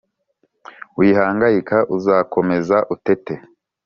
Wihangayika, uzakomeza uteteee